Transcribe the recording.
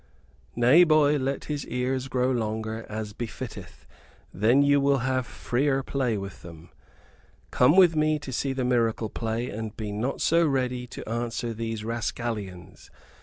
"Nay, boy, let his ears grow longer, as befitteth; then you will have freer play with them. Come with me to see the miracle play, and be not so ready to answer these rascallions.